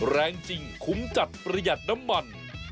แรงจริงคุ้มจัดประหยัดน้ำมัน